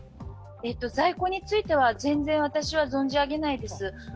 在庫については全然、私は存じ上げないです。